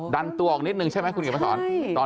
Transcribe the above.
ดันตวกนิดหนึ่งใช่ไหมคุณเหงียวพอสอน